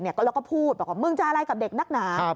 แล้วก็พูดบอกว่ามึงจะอะไรกับเด็กนักหนา